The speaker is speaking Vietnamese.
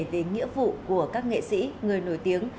về nghĩa vụ của các nghệ sĩ người nổi tiếng